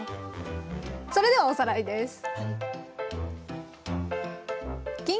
それではおさらいです。